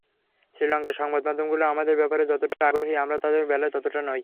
শ্রীলঙ্কার সংবাদমাধ্যমগুলো আমাদের ব্যাপারে যতটা আগ্রহী, আমরা তাদের বেলায় ততটা নই।